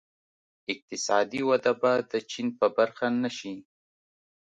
اقتصادي وده به د چین په برخه نه شي.